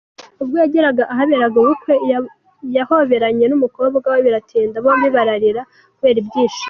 Ubwo yageraga ahaberaga ubukwe, yahoberanye n’umukobwa we biratinda, bombi bararira kubera ibyishimo.